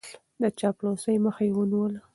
د چاپلوسۍ مخه يې نيوله.